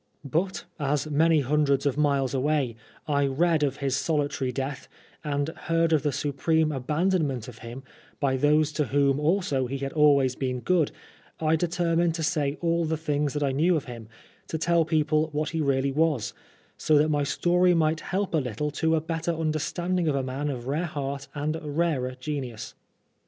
But, as many hundreds of miles away, I read of his solitary death, and heard of the supreme abandonment of him by those to whom also he had always been good, I determined to say all the things that I knew of him, to tell people what he really was, so that my story might help a little to a better understanding of a man of rare heart and rarer genius.